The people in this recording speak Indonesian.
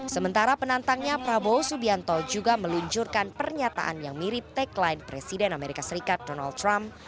sementara penantangnya prabowo subianto juga meluncurkan pernyataan yang mirip tagline presiden amerika serikat donald trump